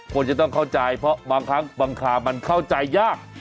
ควรจะต้องเข้าใจเพราะบางครั้งบางคราวมันเข้าใจยาก